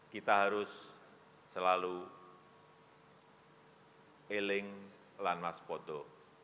kita harus selalu piling lanmas foto